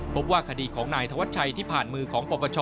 พบว่าคดีของนายธวัชชัยที่ผ่านมือของปปช